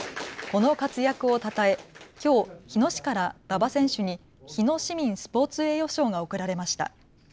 この活躍をたたえ、きょう日野市から馬場選手に日野市民スポーツ栄誉賞が贈られました。